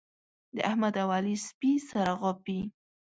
د احمد او علي سپي سره غاپي.